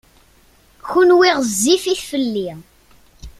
Kenwi ɣezzifit fell-i.